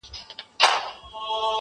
ده د نویو خیالونو پنځوني هم کړي دې